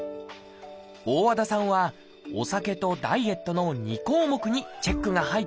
大和田さんは「お酒」と「ダイエット」の２項目にチェックが入っていました。